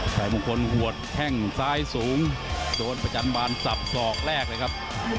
ชายมงคลหัวแข้งซ้ายสูงโดนประจันบาลสับสอกแรกเลยครับ